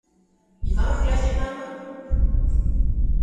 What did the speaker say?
Wie war noch gleich Ihr Name?